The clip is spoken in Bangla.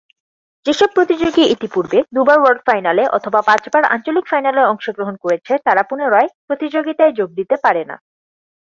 যেসব প্রতিযোগী ইতিপূর্বে দু'বার ওয়ার্ল্ড ফাইনালে অথবা পাঁচবার আঞ্চলিক ফাইনালে অংশগ্রহণ করেছে তারা পুনরায় প্রতিযোগীতায় যোগ দিতে পারে না।